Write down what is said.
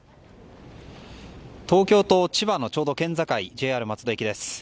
東京と千葉のちょうど県境ＪＲ松戸駅です。